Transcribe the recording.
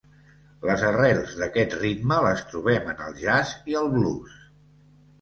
Les arrels d'aquest ritme les trobem en el jazz i el blues.